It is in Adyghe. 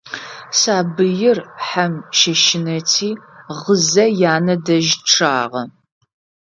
Сабыир хьэм щэщынэти, гъызэ янэ дэжь чъагъэ.